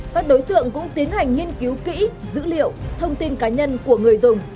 các đối tượng cũng tiến hành nghiên cứu kỹ dữ liệu thông tin cá nhân của người dùng